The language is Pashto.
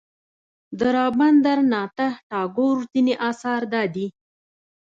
د رابندر ناته ټاګور ځینې اثار دادي.